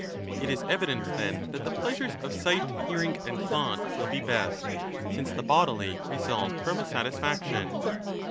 It is evident, 25 then, that the pleasures of sight, hearing, and thought will be best, since the bodily result from a satisfaction.